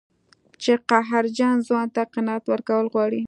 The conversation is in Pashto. چې قهرجن ځوان ته قناعت ورکول غواړي.